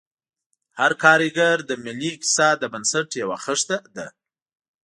هر کارګر د ملي اقتصاد د بنسټ یوه خښته ده.